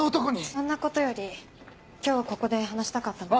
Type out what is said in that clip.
そんなことより今日ここで話したかったのは。